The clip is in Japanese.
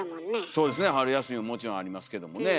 そうですね春休みももちろんありますけどもね。